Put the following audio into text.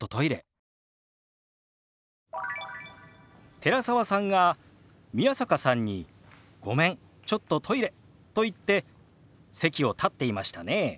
寺澤さんが宮坂さんに「ごめんちょっとトイレ」と言って席を立っていましたね。